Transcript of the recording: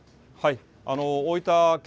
大分県